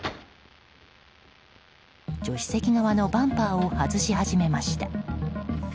助手席側のバンパーを外し始めました。